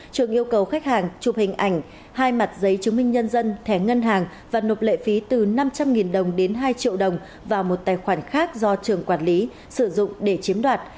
trường yêu cầu khách hàng chụp hình ảnh hai mặt giấy chứng minh nhân dân thẻ ngân hàng và nộp lệ phí từ năm trăm linh đồng đến hai triệu đồng vào một tài khoản khác do trường quản lý sử dụng để chiếm đoạt